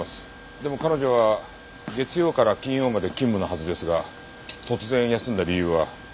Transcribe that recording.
でも彼女は月曜から金曜まで勤務のはずですが突然休んだ理由は？